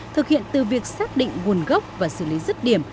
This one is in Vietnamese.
thực hiện từ việc xác định nguồn gốc và xử lý rứt điểm